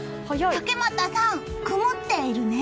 竹俣さん、曇っているね。